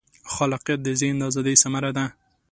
خلاقیت د ذهن د ازادۍ ثمره ده.